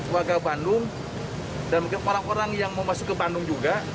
warga bandung dan orang orang yang mau masuk ke bandung juga